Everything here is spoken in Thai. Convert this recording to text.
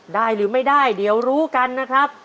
หรือไม่ได้เดี๋ยวรู้กันนะครับ